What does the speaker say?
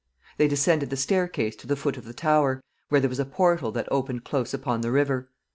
They descended the staircase to the foot of the tower, where there was a portal that opened close upon the river.